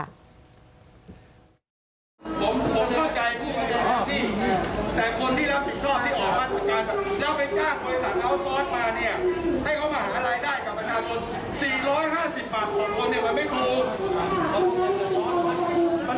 มันไม่ใช่ว่าเพียงแค่ว่าคนข้างนอกจะเข้าภูเก็ต